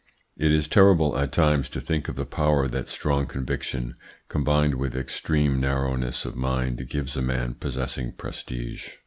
It is terrible at times to think of the power that strong conviction combined with extreme narrowness of mind gives a man possessing prestige.